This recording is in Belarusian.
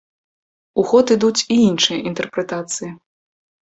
У ход ідуць і іншыя інтэрпрэтацыі.